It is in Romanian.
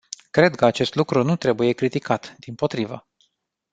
Cred că acest lucru nu trebuie criticat, dimpotrivă.